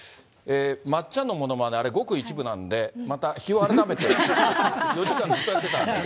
まっちゃんのものまね、あれ、ごく一部なんで、また日を改めて、４時間ずっとやってたんで。